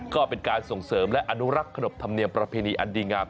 ก็เป็นการส่งเสริมและอนุรักษ์ขนบธรรมเนียมประเพณีอันดีงาม